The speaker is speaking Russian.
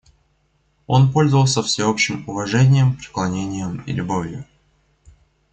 Он пользовался всеобщим уважением, преклонением и любовью.